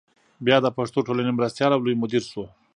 بیا د پښتو ټولنې مرستیال او لوی مدیر شو.